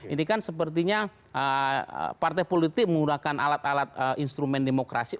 ini kan sepertinya partai politik menggunakan alat alat instrumen demokrasi